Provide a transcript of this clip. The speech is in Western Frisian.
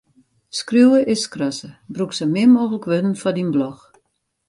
Skriuwe is skrasse: brûk sa min mooglik wurden foar dyn blog.